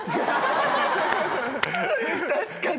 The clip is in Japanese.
確かに。